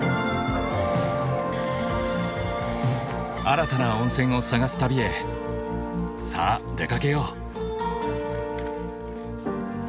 新たな温泉を探す旅へさあ出かけよう。